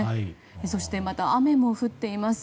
そしてまた、雨も降っています。